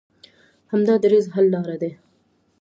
همدا دریځ حل لاره ده.